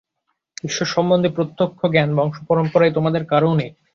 ঈশ্বর-সম্বন্ধে প্রত্যক্ষ জ্ঞান বংশ পরম্পরায় তোমাদের কারও নেই।